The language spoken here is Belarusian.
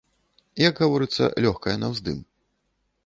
Як гаворыцца, лёгкая на ўздым.